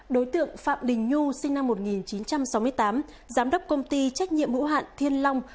đối tượng phạm đình nhu sinh năm một nghìn chín trăm sáu mươi tám giám đốc công ty trách nhiệm hữu hạn thiên long